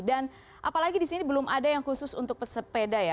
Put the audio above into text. dan apalagi di sini belum ada yang khusus untuk pesepeda ya